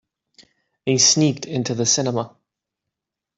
They sneaked into the cinema.